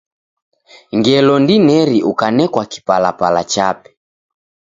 Ngelo ndineri ukanekwa kipalapala chape.